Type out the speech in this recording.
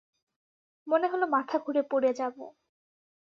মনে হল মাথা ঘুরে পড়ে যাব।